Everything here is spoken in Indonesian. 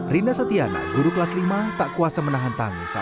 rina setiana guru kelas lima tak kuasa menahan tangis